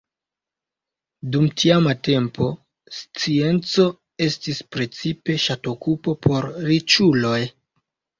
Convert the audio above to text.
Dum tiama tempo, scienco estis precipe ŝatokupo por riĉuloj.